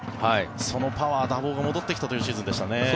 そのパワー、打法が戻ってきたというシーズンでしたね。